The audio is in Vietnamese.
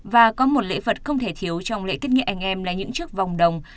và có một lễ vật không thể thiếu trong lễ kết nghĩa anh em là những chiếc vòng đồng